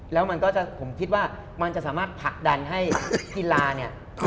แล้วมันก็จะผมคิดว่ามันจะสามารถผลักดันให้กีฬาเนี่ย